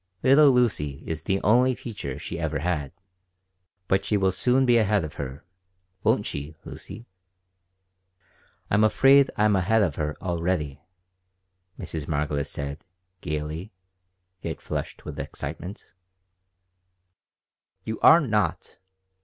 Little Lucy is the only teacher she ever had. But she will soon be ahead of her. Won't she, Lucy?" "I'm afraid I am ahead of her already," Mrs. Margolis said, gaily, yet flushed with excitement "You are not!"